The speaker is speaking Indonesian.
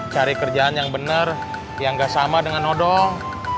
cari kerjaan yang benar yang gak sama dengan nodong